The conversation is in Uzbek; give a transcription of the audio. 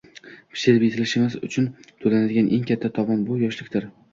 Pishib-yetilishimiz uchun to’lanadigan eng katta tovon bu – yoshlikdir.